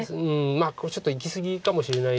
まあこれちょっといき過ぎかもしれない。